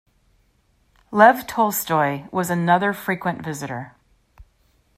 Lev Tolstoy was another frequent visitor.